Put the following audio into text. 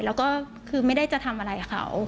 แล้วก็คือไม่ได้จะทำอะไรเขา